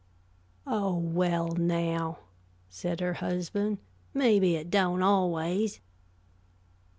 "Oh, well, now," said her husband, "maybe it don't, always."